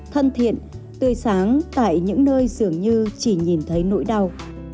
thân thiện tươi sáng tại những nơi dường như chỉ nhìn thấy nỗi đau